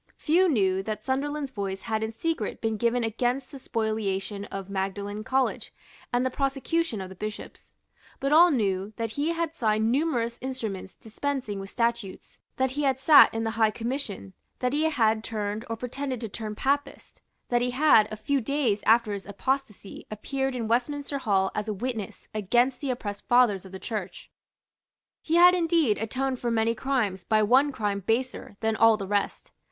Few knew that Sunderland's voice had in secret been given against the spoliation of Magdalene College and the prosecution of the Bishops; but all knew that he had signed numerous instruments dispensing with statutes, that he had sate in the High Commission, that he had turned or pretended to turn Papist, that he had, a few days after his apostasy, appeared in Westminster Hall as a witness against the oppressed fathers of the Church. He had indeed atoned for many crimes by one crime baser than all the rest.